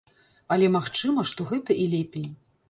Але магчыма, што гэта і лепей.